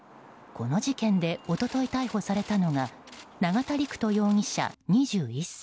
この事件で一昨日逮捕されたのが永田陸人容疑者、２１歳。